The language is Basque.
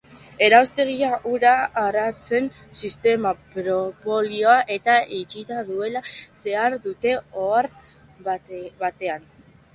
Erraustegiak ura arazteko sistema propioa eta itxia duela zehaztu dute ohar batean.